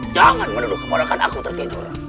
jangan menuduh kemodakan aku tertidur